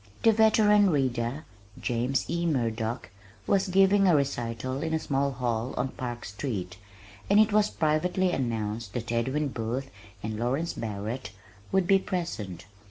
The veteran reader, James E. Murdock, was giving a recital in a small hall on Park Street, and it was privately announced that Edwin Booth and Lawrence Barrett would be present.